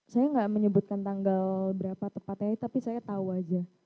saya nggak menyebutkan tanggal berapa tepatnya tapi saya tahu aja